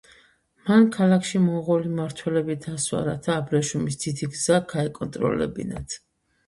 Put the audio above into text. მან ქალაქში მონღოლი მმართველები დასვა რათა აბრეშუმის დიდი გზა გაეკონტროლებინათ.